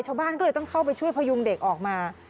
ชาวบ้านก็เลยต้องเข้าไปช่วยพยุงเด็กออกมา